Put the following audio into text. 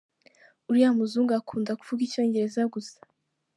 Uriya muzungu akunda kuvuga icyongereza gusa.